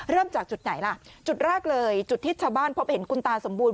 เริ่มจากจุดไหนล่ะจุดแรกเลยจุดที่ชาวบ้านพบเห็นคุณตาสมบูรณ